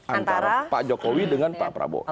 antara pak jokowi dengan pak prabowo